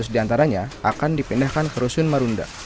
dua ratus diantaranya akan dipindahkan ke rusun marunda